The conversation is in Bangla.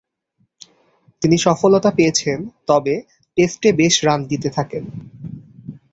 তিনি সফলতা পেয়েছেন তবে, টেস্টে বেশ রান দিতে থাকেন।